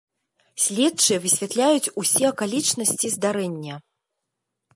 Следчыя высвятляюць усе акалічнасці здарэння.